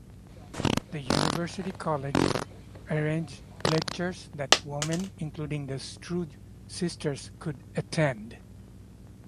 The University College arranged lectures that women including the Sturge sisters could attend.